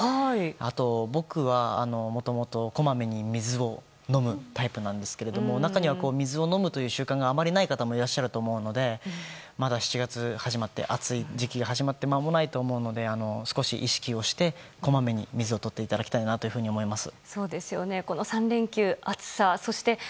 あと、僕はもともとこまめに水を飲むタイプなんですけども中には水を飲むという習慣があまりない方もいらっしゃると思うのでまだ７月、暑い時期が始まってまもないと思うので少し意識をして、こまめに水をとっていただきたいなと思います。